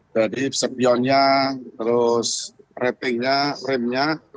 jadi sepionnya terus ratingnya frame nya